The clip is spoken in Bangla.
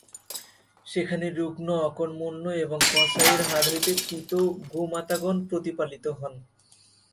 সেখানে রুগ্ন, অকর্মণ্য এবং কসাইয়ের হাত হইতে ক্রীত গোমাতাগণ প্রতিপালিত হন।